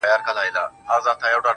او په ډېر څه نه پوهیږي